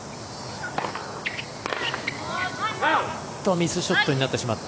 ミスショットになってしまった。